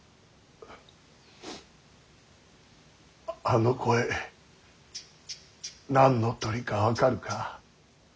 あの声何の鳥か分かるか。